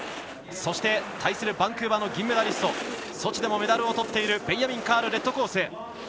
そして、対するバンクーバーの銀メダリストソチでもメダルをとっているベンヤミン・カールレッドコース。